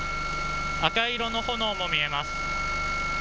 赤色の炎も見えます。